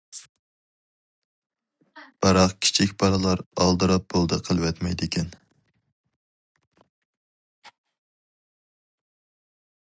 بىراق، كىچىك بالىلار ئالدىراپ بولدى قىلىۋەتمەيدىكەن.